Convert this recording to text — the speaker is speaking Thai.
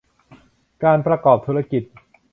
การประกอบธุรกิจ